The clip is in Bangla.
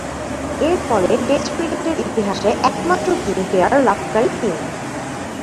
এরফলে টেস্ট ক্রিকেটের ইতিহাসে একমাত্র কিং পেয়ার লাভকারী তিনি।